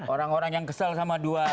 orang orang yang kesel sama dua ini